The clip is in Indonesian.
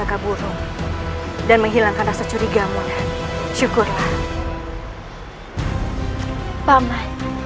di api waspada mengakhiri bersyuapan bersama paman